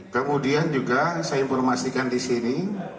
kemudian juga saya informasikan disini